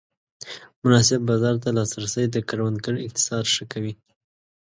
مناسب بازار ته لاسرسی د کروندګر اقتصاد ښه کوي.